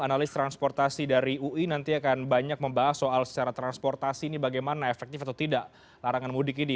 analis transportasi dari ui nanti akan banyak membahas soal secara transportasi ini bagaimana efektif atau tidak larangan mudik ini